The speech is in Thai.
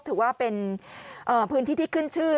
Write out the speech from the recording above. ถือว่าเป็นพื้นที่ที่ขึ้นชื่อ